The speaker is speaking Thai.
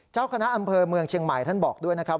เจ้าคณะอำเภอเมืองเชียงใหม่ท่านบอกด้วยนะครับ